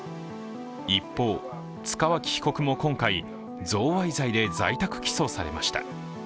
一方、塚脇被告も今回、贈賄罪で在宅起訴されました。